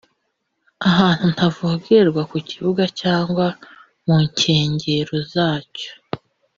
ahantu ntavogerwa ku kibuga cyangwa mu nkengero zacyo